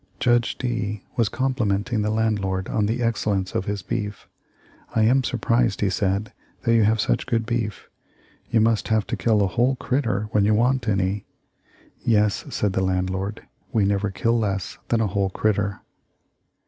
Judge D was complimenting the landlord on the excellence of his beef. "I am surprised," he said, "that you have such good beef. You must have to kill a whole critter when you want any." "Yes," said the land lord, "we never kill less than a whole critter."